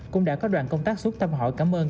cũng đã có đoàn công tác suốt thăm hỏi cảm ơn